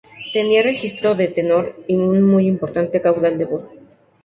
Tenía registro de tenor y un importante caudal de voz.